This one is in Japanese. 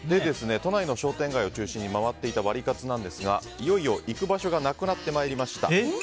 都内の商店街を中心に回っていたワリカツなんですがいよいよ行く場所がなくなってまいりました。